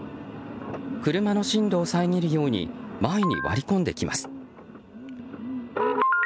車の進路を遮るように前に割り込んできます。